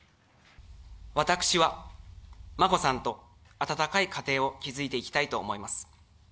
私は眞子さんと温かい家庭を築いていきたいと思います。